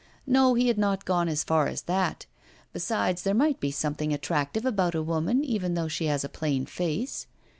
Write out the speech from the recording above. No, he had not gone as far as that. Besides, there might be something attractive about a woman even though she had a plain face.